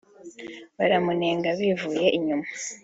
baramunenga bivuye inyuma